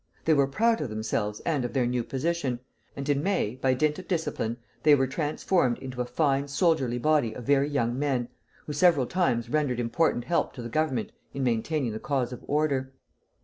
They were proud of themselves and of their new position, and in May, by dint of discipline, they were transformed into a fine soldierly body of very young men, who several times rendered important help to the Government in maintaining the cause of order.